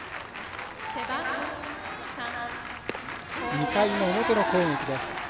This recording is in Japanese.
２回の表の攻撃です。